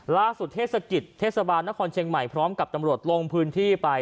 เทศกิจเทศบาลนครเชียงใหม่พร้อมกับตำรวจลงพื้นที่ไป